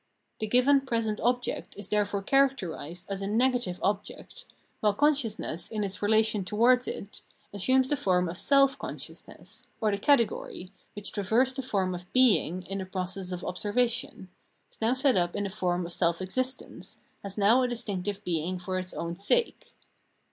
The given present object is therefore characterised as a negative object, while consciousness in its relation towards it assumes the form of se?/ consciousness ; or the category, which traversed the form of being in the process of observation, is now set up in the form of self existence, has now a distinctive being for its own sake.